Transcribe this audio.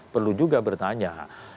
perlu juga bertanya